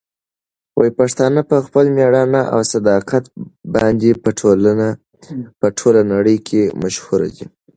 پښتانه په خپل مېړانه او صداقت باندې په ټوله نړۍ کې مشهور دي.